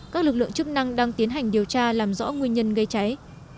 các lực lượng chức năng đang tiến hành điều tra làm rõ nguyên nhân gây cháy